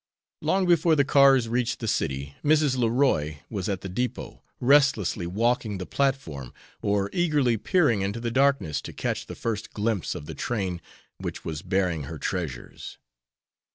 Long before the cars reached the city, Mrs. Leroy was at the depot, restlessly walking the platform or eagerly peering into the darkness to catch the first glimpse of the train which was bearing her treasures.